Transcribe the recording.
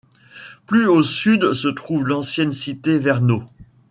Plus au sud se trouve l’ancienne cité Verneau.